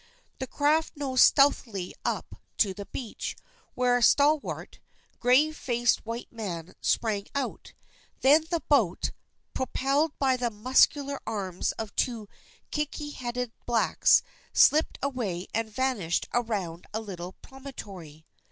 The craft nosed stealthily up to the beach, where a stalwart, grave faced white man sprang out; then the boat, propelled by the muscular arms of two kinky headed blacks, slipped away and vanished around a little promontory.